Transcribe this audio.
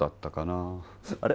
あれ？